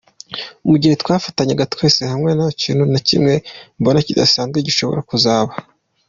Mu gihe twafatanya twese hamwe, nta kintu na kimwe mbona kidasanzwe gishobora kuzaba.